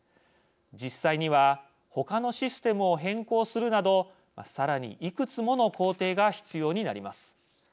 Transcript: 実際には他のシステムを変更するなどさらにいくつもの工程が必要になります。